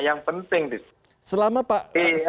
yang penting di selama pak